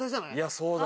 そうだ。